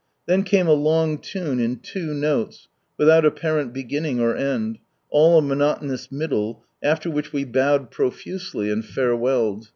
Then came a long tune in two notes, without apparent beginning or end, all a monotonous middle, after which we bowed profusely, and farewelled.